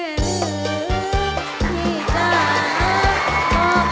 ขอเพียงคุณสามารถที่จะเอ่ยเอื้อนนะครับ